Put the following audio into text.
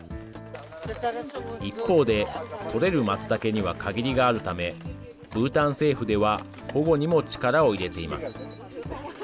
一方で、採れるマツタケには限りがあるため、ブータン政府では保護にも力を入れています。